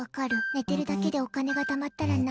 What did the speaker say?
寝てるだけでお金がたまったらな。